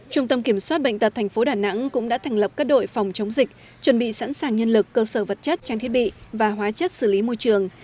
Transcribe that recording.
trung tâm kiểm soát bệnh tật tp đà nẵng cũng đã thành lập các đội phòng chống dịch chuẩn bị sẵn sàng nhân lực cơ sở vật chất trang thiết bị và hóa chất xử lý môi trường